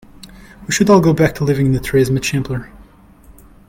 We should all go back to living in the trees, much simpler.